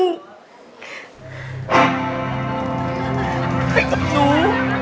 ไปกับหนู